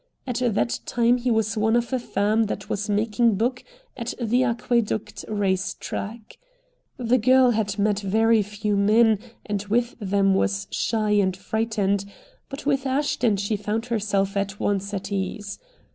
At that time he was one of a firm that was making book at the Aqueduct race track. The girl had met very few men and with them was shy and frightened, but with Ashton she found herself at once at ease.